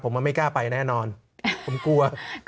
ผมว่าไม่กล้าไปแน่นอนผมกลัว